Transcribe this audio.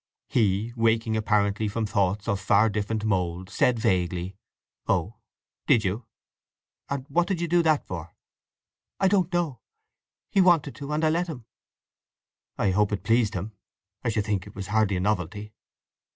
He, waking apparently from thoughts of far different mould, said vaguely, "Oh, did you? What did you do that for?" "I don't know. He wanted to, and I let him." "I hope it pleased him. I should think it was hardly a novelty."